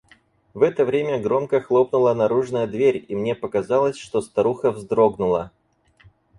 В это время громко хлопнула наружная дверь, и мне показалось, что старуха вздрогнула.